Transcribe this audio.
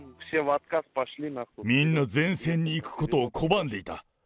みんな前線に行くことを拒んでいた。